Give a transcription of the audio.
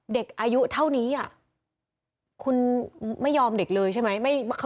เด็กอายุเท่านี้คุณไม่ยอมเด็กเลยใช่ไหม